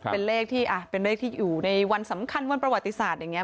เป็นเลขที่อยู่ในวันสำคัญวันประวัติศาสตร์